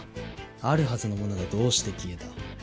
あるはずのものがどうして消えた？